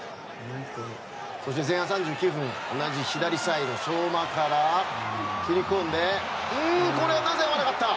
そして前半３９分同じ左サイド、相馬から切り込んでこれはなぜ合わなかった。